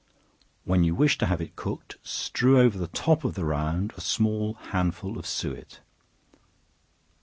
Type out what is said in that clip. When you wish to have it cooked, strew over the top of the round a small handful of suet.